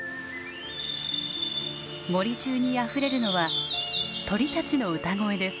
森中にあふれるのは鳥たちの歌声です。